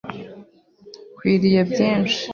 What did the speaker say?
Nkwiriye byinshi.